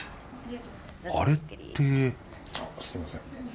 あれってすみません。